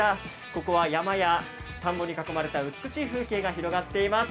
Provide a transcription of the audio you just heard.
ここは山や田んぼに囲まれた美しい風景が広がっています。